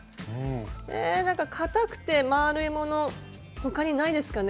えなんか硬くて丸いもの他にないですかね？